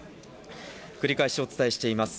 繰り返しお伝えしています。